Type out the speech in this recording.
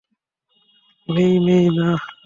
মেই-মেই, না!